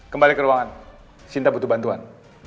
kembali ke ruangan sinta butuh bantuan